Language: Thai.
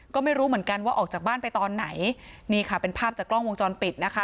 ก็ไม่รู้เหมือนกันว่าออกจากบ้านไปตอนไหนนี่ค่ะเป็นภาพจากกล้องวงจรปิดนะคะ